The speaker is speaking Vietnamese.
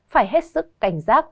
phải hết sức cảnh giác